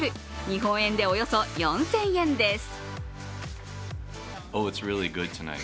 日本円でおよそ４０００円です。